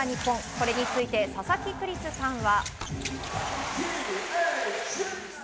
これについて佐々木クリスさんは。